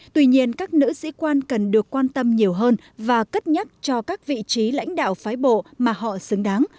tuy nhiên các nữ sĩ quan cần được quan tâm nhiều hơn và cất nhắc cho các vị trí lãnh đạo phái bộ mà họ xứng đáng